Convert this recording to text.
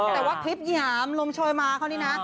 แต่ว่าคลิปหยามลมโชยมาเขานี่นะ